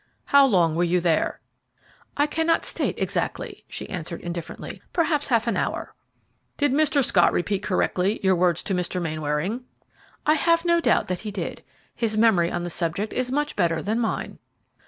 "How long were you there?" "I cannot state exactly," she answered, indifferently; "perhaps half an hour." "Did Mr. Scott repeat correctly your words to Mr. Mainwaring?" "I have no doubt that he did. His memory on the subject is much better than mine."